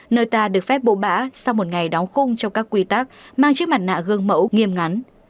nơi ta được phép bổ bã sau một ngày đóng khung trong các quy tắc mang chiếc mặt nạ gương mẫu nghiêm ngắn